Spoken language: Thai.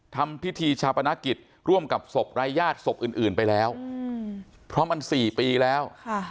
ทำพิธีชาปนกิจร่วมกับศพรายญาติศพอื่นไปแล้วเพราะมัน๔ปีแล้ว